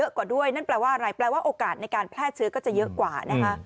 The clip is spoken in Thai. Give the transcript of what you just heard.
และนั่นแปลว่าอะไรแปลว่าโอกาสในการแพร่ใชือก็จะเยอะกว่า